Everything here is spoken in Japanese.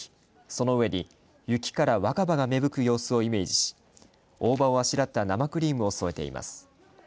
その上に雪から若葉が芽吹く様子をイメージし大葉をあしらった生クリームを添えています。